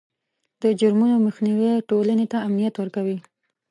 د جرمونو مخنیوی ټولنې ته امنیت ورکوي.